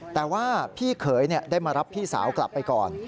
แต่ว่าพี่เขยได้มารับพี่สาวกลับไปก่อน